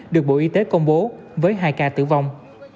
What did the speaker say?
được bộ y tế công bố với hai ca tử vong